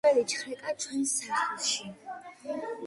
პირველი ჩხრეკა ჩვენს სახლში